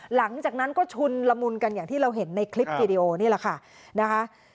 หลังจากนั้นก็ชุนละมุนกันอย่างที่เราเห็นในคลิปวีดีโอนี่แหละค่ะนะคะ